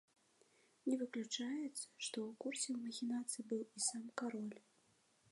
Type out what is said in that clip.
Не выключаецца, што ў курсе махінацый быў і сам кароль.